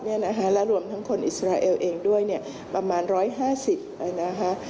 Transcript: และรวมทั้งคนอิสราเอลเองด้วยเนี่ยประมาณ๑๕๐นะคะ